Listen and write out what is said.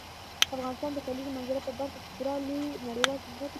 افغانستان د کلیزو منظره په برخه کې پوره او لوی نړیوال شهرت لري.